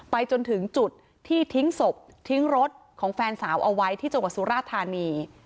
จนถึงจุดที่ทิ้งศพทิ้งรถของแฟนสาวเอาไว้ที่จังหวัดสุราธานี